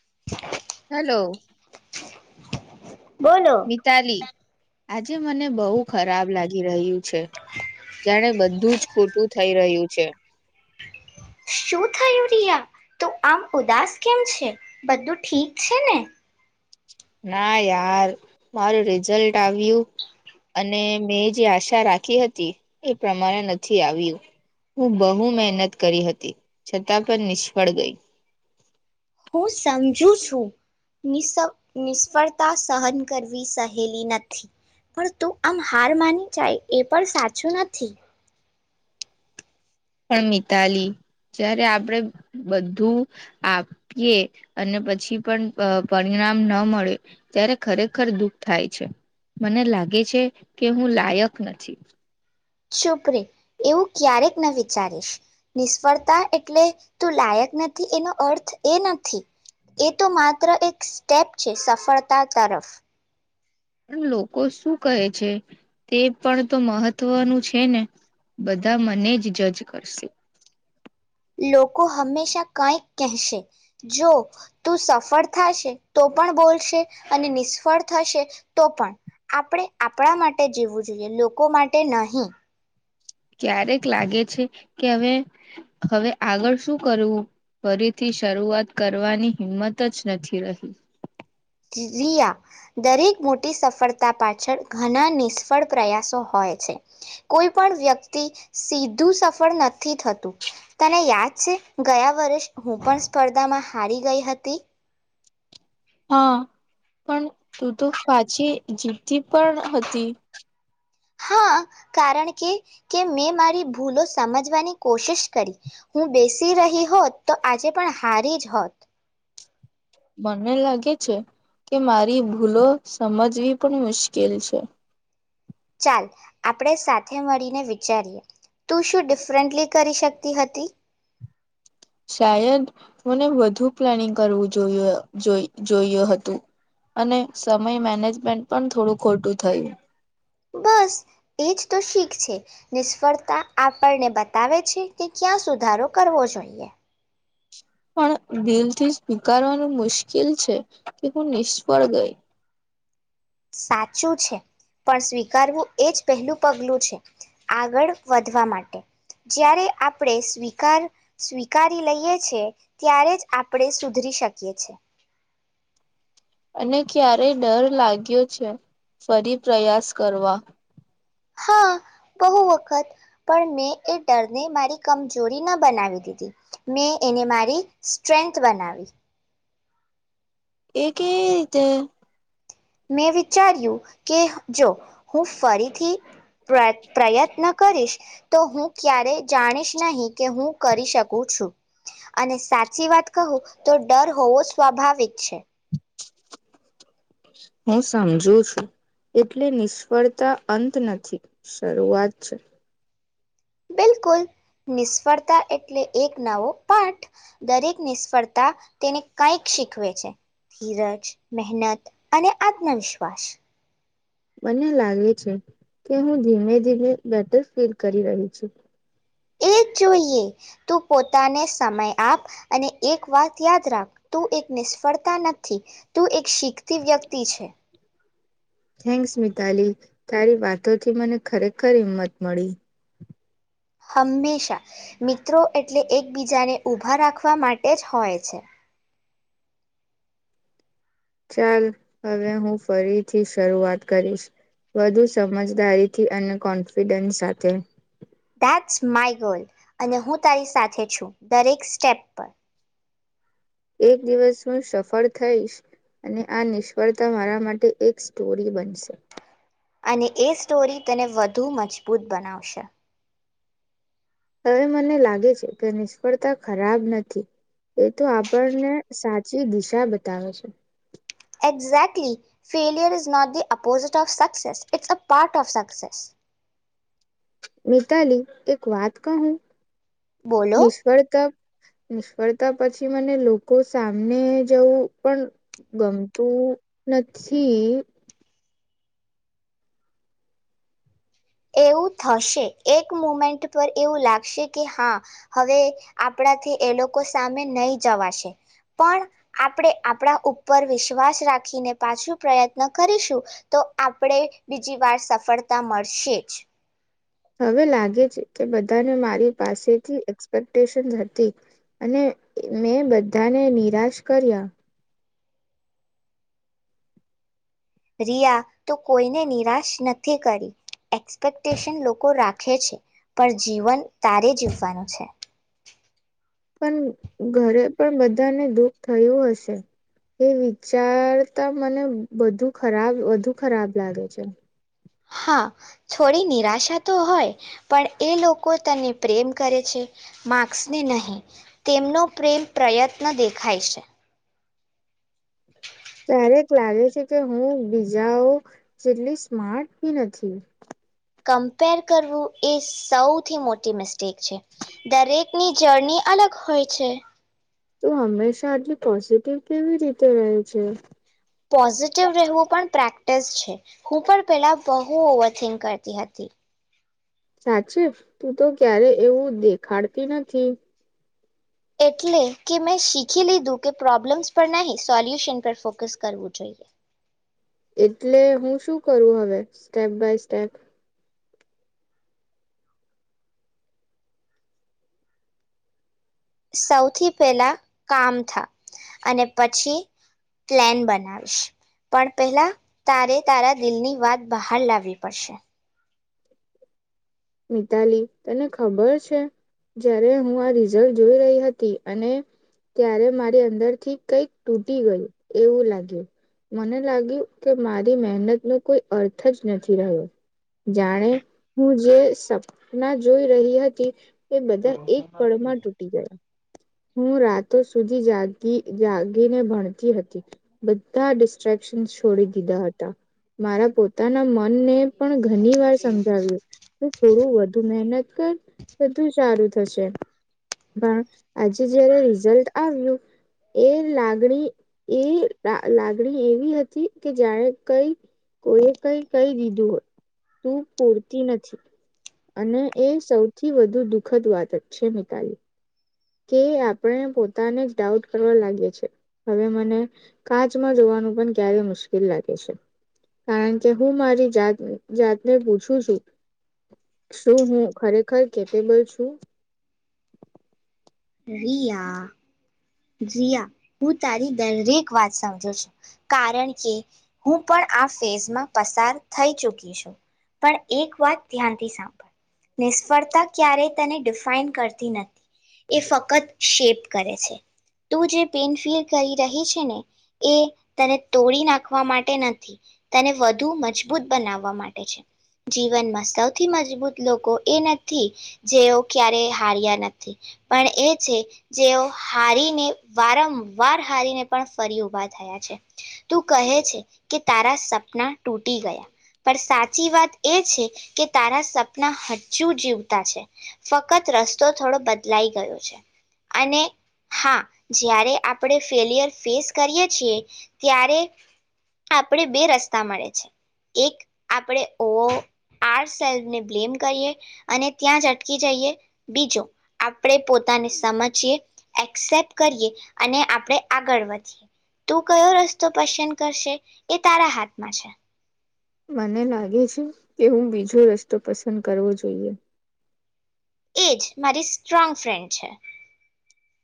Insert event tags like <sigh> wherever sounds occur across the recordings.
<inaudible> Hello. <inaudible> Mitali. આજે મને બહુ ખરાબ લાગી રહ્યું છે જાણે બધું જ ખોટું થઈ રહ્યું છે. શું થયુ રિયા? તો આમ ઉદાસ કેમ છે બધું ઠીક છે ને? ના યાર મારું રિઝલ્ટ આવ્યું અને મેં જે આશા રાખી હતી એ પ્રમાણે નથી આવ્યું હું બહુ મહેનત કરી હતી છતાં પણ નિષ્ફળ ગઈ. હું સમજું છું નિશ નિષ્ફળતા સહન કરવી સહેલી નથી. પણ તું આમ હાર માની જાય એ પણ સાચું નથી. પણ મિતાલી જ્યારે આપણે બધું આપીએ અને પછી પણ પણ અ પરિણામ ન મળે ત્યારે ખરેખર દુઃખ થાય છે મને લાગે છે કે હું લાયક નથી. ચુપરે એવું ક્યારેક ન વિચારીશ નિષ્ફળતા એટલે તું લાયક નથી એનો અર્થ એ નથી એ તો માત્ર એક સ્ટેપ છે સફળતા તરફ. પણ લોકો શું કહે છે તે પણ તો મહત્વનું છે ને બધા મને જ જજ કરશે. લોકો હંમેશા કંઈક કહેશે જો તું સફળ થશે તો પણ બોલશે અને નિષ્ફળ થશે તો પણ આપણે આપણા માટે જીવવું જોઈએ લોકો માટે નહીં. ક્યારેક લાગે છે કે હવે હવે આગળ શું કરવું ફરીથી શરૂઆત કરવાની હિંમત જ નથી રહી. રિયા દરેક મોટી સફળતા પાછળ ઘણા નિષ્ફળ પ્રયાસો હોય છે કોઈ પણ વ્યક્તિ સીધું સફળ નથી થતું તને યાદ છે ગયા વર્ષ હું પણ સ્પર્ધામાં હારી ગઈ હતી. હા પણ તું તો પાછી જીતી પણ હતી. હા કારણ કે કે મેં મારી ભૂલો સમજવાની કોશિશ કરી હું બેસી રહી હોત તો આજે પણ હારી જ હોત. મને લાગે છે કે મારી ભૂલો સમજવી પણ મુશ્કેલ છે ચાલ આપણેે સાથે મળીને વિચારીએ તું શું ડિફરન્ટલી કરી શકતી હતી શાયદ મને વધુ પ્લાનિંગ કરવું જો જોયુ જોયું હતું અને સમય મેનેજમેન્ટ પણ થોડું ખોટું થયું બસ એજ તો શીખ છે નિષ્ફળતા આપણને બતાવે છે કે ક્યાં સુધારો કરવો જોઈએ પણ દિલથી સ્વીકારવાનું મુશ્કેલ છે કે હું નિષ્ફળ ગઈ સાચું છે પણ સ્વીકારવું એ જ પહેલું પગલું છે આગળ વધવા માટે જ્યારે આપણે સ્વીકાર સ્વીકારી લઈએ છે ત્યારે જ આપણે સુધરી શકીએ છે મને ક્યારે ડર લાગ્યો છે ફરી પ્રયાસ કરવા હા બહુ વખત પણ મેં એ ડરને મારી કમજોરી ના બનાવી દીધી મેં એને મારી સ્ટ્રેન્થ બનાવી એ કેવી રીતે મેં વિચાર્યું કે જો હું ફરીથી પ્ર પ્રયત્ન કરીશ તો હું ક્યારેય જાણીશ નહીં કે હું કરી શકું છું અને સાચી વાત કહું તો ડર હોવો સ્વાભાવિક છે હું સમજું છું એટલે નિષ્ફળતા અંત નથી શરૂઆત છે બિલકુલ નિષ્ફળતા એટલે એક નવો પાઠ દરેક નિષ્ફળતા તેને કંઈક શીખવે છે ધીરજ મહેનત અને આત્મવિશ્વાસ મને લાગે છે કે હું ધીમે ધીમે બેટર ફીલ કરી રહી છું એ જોઈએ તું પોતાને સમય આપ અને એક વાત યાદ રાખ તું એક નિષ્ફળતા નથી તું એક શીખતી વ્યક્તિ છે થેન્ક્સ મિતાલી તારી વાતોથી મને ખરેખર હિંમત મળી હંમેશા મિત્રો એટલે એકબીજાને ઊભા રાખવા માટે જ હોય છે ચાલ હવે હું ફરીથી શરૂઆત કરીશ વધુ સમજદારીથી અને કોન્ફિડન્સ સાથે ધેટ્સ માય ગર્લ અને હું તારી સાથે છું દરેક સ્ટેપ પર એક દિવસ હું સફળ થઈશ અને આ નિષ્ફળતા મારા માટે એક સ્ટોરી બનશે અને એ સ્ટોરી તેને વધુ મજબૂત બનાવશે હવે મને લાગે છે કે નિષ્ફળતા ખરાબ નથી એ તો આપણને સાચી દિશા બતાવે છે exactly failure is not the opposite of success it's a part of success Mitali એક વાત કહું બોલો નિષ્ફળતા નિષ્ફળતા પછી મને લોકો સામને જવું પણ ગમતું નથી એવું થશે એક મુમેન્ટ પર એવું લાગશે કે હા હવે આપણાથી એ લોકો સામે નહી જવાશે પણ આપણે આપણા ઉપર વિશ્વાસ રાખીને પાછું પ્રયત્ન કરીશું તો આપણે બીજી વાર સફળતા મળશે જ હવે લાગે છે કે બધાને મારી પાસેથી એક્સપેક્ટેશનસ હતી અને મેં બધાને નિરાશ કર્યા. રિયા તો કોઈને નિરાશ નથી કરી. એક્સપેક્ટેશન લોકો રાખે છે પણ જીવન તારે જીવવાનું છે. પણ ઘરે પણ બધાને દુઃખ થયું હશે એ વિચારતા મને બધુ ખરાબ વધુ ખરાબ લાગે છે. હા થોડી નિરાશા તો હોય પણ એ લોકો તને પ્રેમ કરે છે માર્ક્સને નહીં. તેમનો પ્રેમ પ્રયત્ન દેખાય છે. ક્યારેક લાગે છે કે હું બીજાઓ જેટલી સ્માર્ટ બી નથી. કમ્પેર કરવું એ સૌથી મોટી મિસ્ટેક છે દરેકની જર્ની અલગ હોય છે. તો હંમેશા આટલી પોઝિટિવ કેવી રીતે રહે છે. પોઝિટિવ રહેવું પણ પ્રેક્ટ ટીસ છે. હું પણ પેલા બહુ ઓવરથીક કરતી હતી. સાચુ? તું તો ક્યારે એવું દેખાડતી નથી. એટલે કે મેં શીખી લીધું કે પ્રોબ્લેમ્સ પર નહીં સોલ્યુશન પર ફોકસ કરવું જોઈએ. એટલે હું શું કરું હવે સ્ટેપ બાય સ્ટેપ? સૌથી પહેલા કામ થા અને પછી પ્લેન બનાવીશ પણ પહેલા તારે તારા દિલની વાત બહાર લાવવી પડશે. મિતાલી તને ખબર છે, જ્યારે હું આ રિઝલ્ટ જોઈ રહી હતી અને ત્યારે મારી અંદરથી કઈક તૂટી ગયું એવું લાગ્યું. મને લાગ્યું કે મારી મહેનત ન કોઈ અર્થ જ નથી રહ્યો જાણે હું જે સપના જોઈ રહી હતી એ બધા એક પળમાં તૂટી ગયા. હું રાતો સુધી જાગી જાગીને ભણતી હતી. બધા ડિસ્ટ્રેક્શન છોડી દીધા હતા. મારા પોતાના મનને પણ ઘણી વાર સમજાવ્યું તુ થોડું વધુ મહેનત કર બધું સારું થશે. પણ આજે જયારે રિઝલ્ટ આવ્યું એ લાગણી એ લાગણી એવી હતી કે જ્યારે કઈ કોએ કઈ કહી દીધું હોય તું પૂરતી નથી. અને એ સૌથી વધુ દુખદ વાત જ છે મિતાલી કે આપણે પોતાને જ ડાઉટ કરવા લાગી છે. હવે મને કાચમાં જોવાનું પણ ક્યારે મુશ્કેલ લાગે છે. કારણ કે હું મારી જાત જાતને પૂછું છું. શું હું ખરેખર કેપેબલ છું? રિયા. રિયા હું તારી દરેક વાત સમજું છું. કારણ કે હું પણ આ ફેઝમાં પસાર થઈ ચૂકી છું. પણ એક વાત ધ્યાનથી સાંભળ નિષ્ફળતા ક્યારેય તને ડિફાઈન કરતી નથી એ ફકત શેપ કરે છે. તું જે પેઈન ફિઅર કહી રહી છે ને એ તને તોડી નાખવા માટે નથી, તને વધુ મજબૂત બનાવવા માટે છે. જીવનમાં સૌથી મજબૂત લોકો એ નથી જેઓ ક્યારે હાર્યા નથી પણ એ છે જેઓ હારી ને વારંવાર હારીને પણ ફરી ઉભા થયા છે. તું કહે છે કે તારા સપના તૂટી ગયા, પણ સાચી વાત એ છે કે તારા સપના હજુ જીવતા છે. ફકત રસ્તો થોડો બદલાઈ ગયો છે. અને હા, જ્યારે આપણે ફેલિયર ફેસ કરીએ છીએ ત્યારે આપણે બે રસ્તા મળે છે. એક આપણે ઓ આર સેલ્ફને બ્લેમ કરીએ, અને ત્યાં જ અટકી જઈએ, બીજો આપણે પોતાને સમજીએ એક્સેપ્ટ કરીએ, અને આપણે આગળ વધીએ. તું કયો રસ્તો પસંદ કરશે એ તારા હાથમાં છે. મને લાગે છે કે હું બીજો રસ્તો પસંદ કરવો જોઈએ. એ જ. મારી સ્ટ્રોંગ ફ્રેન્ડ છે.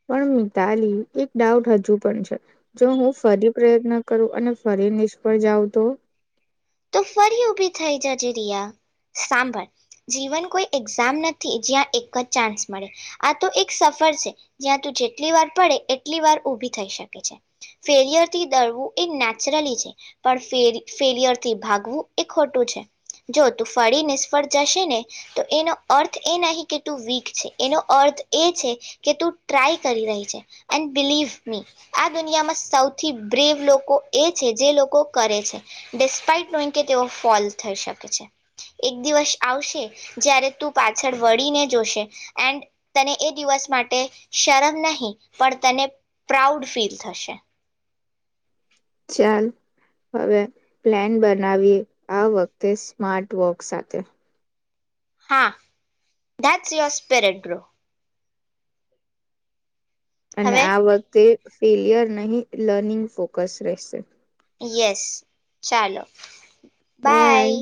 પણ મિતાલી એક ડાઉટ હજુ પણ છે, જો હું ફરી પ્રયત્ન કરું, અને ફરી નિષ્ફળ જાઉં તો? તો ફરી ઉભી થઈ જજે રિયા. સાંભળ જીવન કોઈ એક્ઝામ નથી જ્યાં એક જ ચાન્સ મળે, આ તો એક સફર છે, જ્યાં તું જેટલી વાર પડે એટલી વાર ઉભી થઈ શકે છે. ફેલિયર થી દરવું એ નેચરલી છે, પણ ફેર ફેલિયર થી ભાગવું એ ખોટું છે. જો તું ફરી નિષ્ફળ જશે ને તો એનો અર્થ એ નહીં કે તું વીક છે, એનો અર્થ એ છે કે તું ટ્રાય કરી રહી છે. એન્ડ બિલીવ મી, આ દુનિયામાં સૌથી બ્રેવ લોકો એ છે જે લોકો કરે છે <unintelligible> કે તેઓ ફોલ થઈ શકે છે. એક દિવસ આવશે જ્યારે તું પાછળ વળીને જોશે, એન્ડ તને એ દિવસ માટે શરમ નહીં, પણ તને પ્રાઉડ ફીલ થશે. ચાલ. હવે પ્લેન બનાવીએ, આ વખતે સ્માર્ટ વર્ક સાથે. હા. That's your સ્પેરેટ્રો. અને હવે આ વખતે ફેલિયર નહીં, લર્નિંગ ફોકસ રહેશે. યસ, ચાલો. બાય.